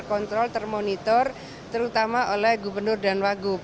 kontrol termonitor terutama oleh gubernur dan wagub